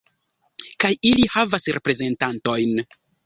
Kaj ili havas reprezentantojn.